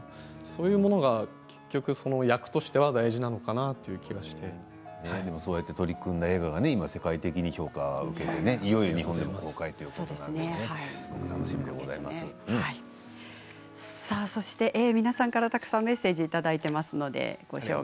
そういうものが結局役としては大事なのかなというそうやって取り組んだ映画が今、世界的に評価されていよいよ日本でも公開でそして、皆さんからたくさんメッセージをいただいています。